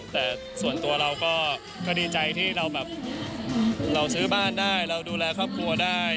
แต่ส่วนตัวเราก็ดีใจที่เราแบบเราซื้อบ้านได้เราดูแลครอบครัวได้